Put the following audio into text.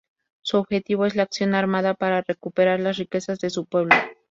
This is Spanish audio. Su objetivo es la acción armada para recuperar las riquezas de su pueblo.